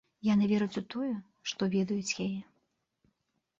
Яны вераць у тое, што ведаюць яе.